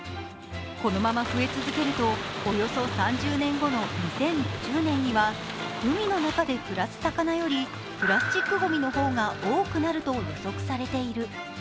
このまま増え続けるとおよそ３０年後の２０５０年には海の中で暮らす魚よりプラスチックごみの方が多くなると予測されている。